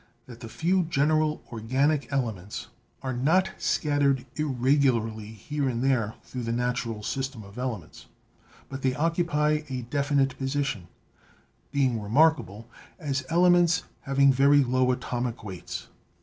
that the few general organic elements are not scattered irregularly here and there through the natural system of elements, but they occupy a definite position, being remarkable as ele ments having very low atomic weights.